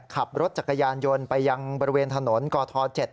ขับรถจักรยานยนต์ไปยังบริเวณถนนกท๗